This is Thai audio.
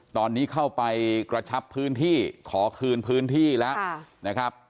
ตอนนี้เข้าไปกระชับพื้นที่ขอคืนพื้นที่แล้วนะครับ